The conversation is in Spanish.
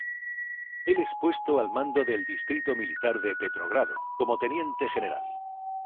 El es puesto al mando del Distrito Militar de Petrogrado como teniente general.